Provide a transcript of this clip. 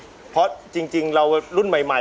หมดมากการสร้างช่วงเรารุ่นนี้